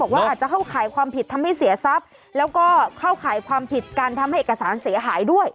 ว่าอาจจะเข้าข่ายความผิดทำให้เสียทรัพย์แล้วก็เข้าข่ายความผิดการทำให้เอกสารเสียหายด้วย